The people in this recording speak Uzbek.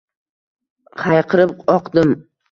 Hayqirib oqdim.